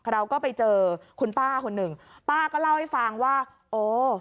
เราก็ไปเจอคุณป้าคนหนึ่งป้าก็เล่าให้ฟังว่าโอ้